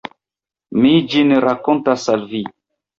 Mi ĝin rakontos al vi.